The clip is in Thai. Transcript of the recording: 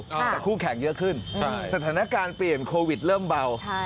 แต่คู่แข่งเยอะขึ้นสถานการณ์เปลี่ยนโควิดเริ่มเบา